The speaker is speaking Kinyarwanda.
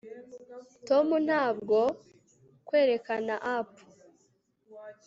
tom ntabwo kwerekana up